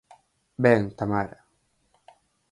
Ben, Tamara.